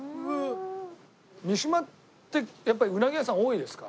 三島ってやっぱりうなぎ屋さん多いですか？